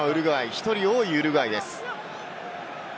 １人多いウルグアイです。